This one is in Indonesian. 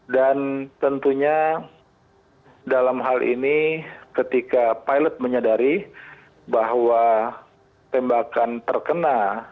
dan tentunya dalam hal ini ketika pilot menyadari bahwa tembakan terkena